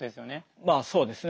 まあそうですね。